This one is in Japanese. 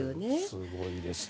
すごいですね。